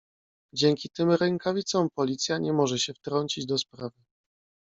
"Dzięki tym rękawicom policja nie może się wtrącić do sprawy."